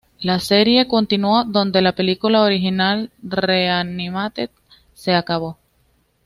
La serie continuó donde la película original "Re-Animated" se acabó.